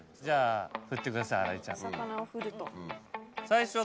じゃあ振ってください。